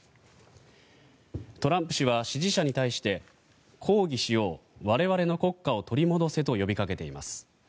トランプ氏は支持者に対して抗議しよう我々の国家を取り戻せと呼びかけています。